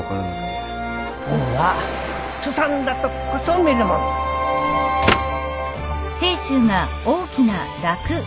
海んはすさんだとっこそ見るもんぞ。